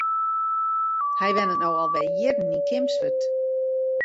Hy wennet no al wer jierren yn Kimswert.